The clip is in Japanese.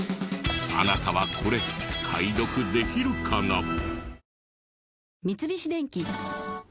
あなたはこれ解読できるかな？